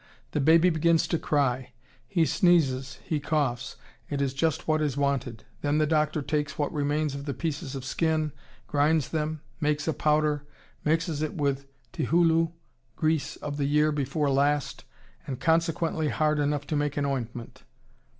The baby begins to cry; he sneezes, he coughs; it is just what is wanted; then the doctor takes what remains of the pieces of skin, grinds them, makes a powder, mixes it with tihuhlu grease of the year before last, and consequently hard enough to make an ointment.